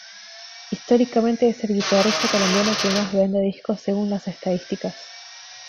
Históricamente es el Guitarrista Colombiano que más vende discos, según las estadísticas.